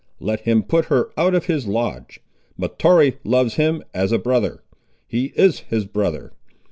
Let him put her out of his lodge. Mahtoree loves him as a brother. He is his brother.